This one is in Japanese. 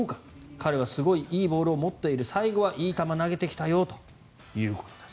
彼はすごいいいボールを持っている最後はいい球を投げてきたよということです。